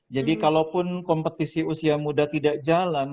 jadi kalaupun kompetisi usia muda tidak jalan